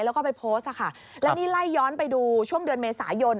แล้วก็ไปโพสต์ค่ะแล้วนี่ไล่ย้อนไปดูช่วงเดือนเมษายน